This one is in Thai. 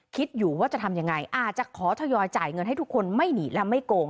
คิดอยู่ว่าจะทำยังไงอาจจะขอทยอยจ่ายเงินให้ทุกคนไม่หนีและไม่โกง